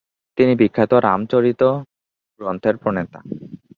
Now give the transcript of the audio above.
তিনিই বিখ্যাত রামচরিত গ্রন্থের প্রণেতা।